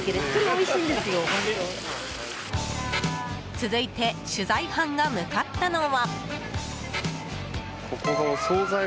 続いて取材班が向かったのは。